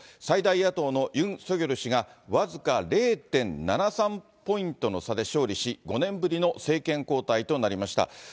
最大野党のユン・ソギョル氏が、僅か０．７３ポイントの差で勝利し、５年ぶりの政権交代となりました。